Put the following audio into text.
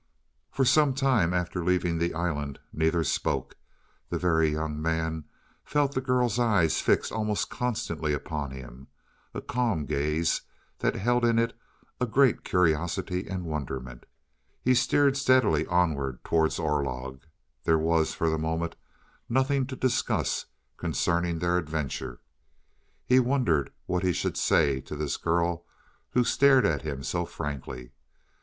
For some time after leaving the island neither spoke. The Very Young Man felt the girl's eyes fixed almost constantly upon him a calm gaze that held in it a great curiosity and wonderment. He steered steadily onward towards Orlog. There was, for the moment, nothing to discuss concerning their adventure, and he wondered what he should say to this girl who stared at him so frankly.